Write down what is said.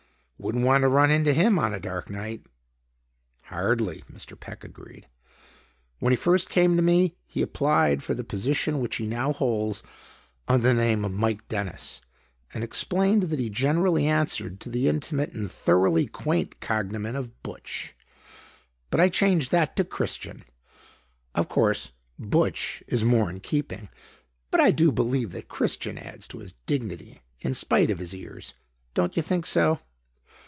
"Wouldn't want to run into him on a dark night." "Hardly," Mr. Peck agreed. "When he first came to me, he applied for the position which he now holds under the name of Mike Dennis and explained that he generally answered to the intimate and thoroughly quaint cognomen of 'Butch.' But I changed that to Christian. Of course 'Butch' is more in keeping, but I do believe that Christian adds to his dignity in spite of his ears. Don't you think so?"